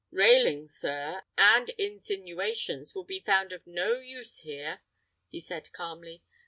"Railing, sir, and insinuations will be found of no use here," he said, calmly.